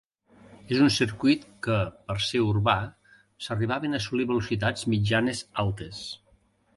És un circuit que per ser urbà, s'arribaven a assolir velocitats mitjanes altes.